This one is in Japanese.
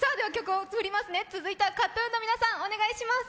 続いてはＫＡＴ−ＴＵＮの皆さん、お願いします。